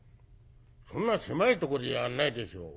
「そんな狭いとこでやんないでしょ。